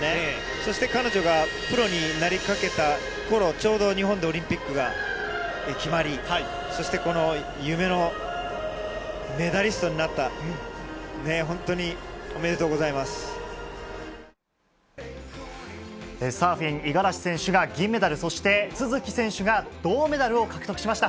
そして、彼女がプロになりかけたころ、ちょうど日本でオリンピックが決まり、そして、この夢のメダリストになった、ねえ、本当におめでとうございまサーフィン、五十嵐選手が銀メダル、そして、都築選手が銅メダルを獲得しました。